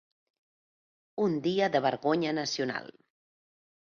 Un dia de vergonya nacional.